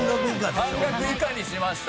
半額以下にしました。